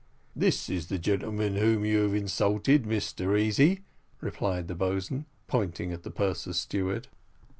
"This is the gentleman whom you have insulted, Mr Easy," replied the boatswain, pointing to the purser's steward.